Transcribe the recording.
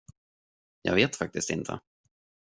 Jag vet faktiskt inte.